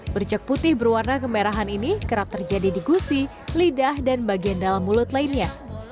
bercek putih berwarna kemerahan ini kerap terjadi di gusi lidah dan bagian dalam mulut lainnya